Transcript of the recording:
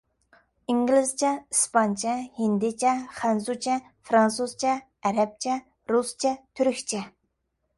ئىنگلىزچە، ئىسپانچە، ھىندىچە، خەنزۇچە، فىرانسۇزچە، ئەرەبچە، رۇسچە، تۈركچە.